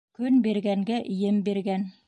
Көн биргәнгә ем биргән.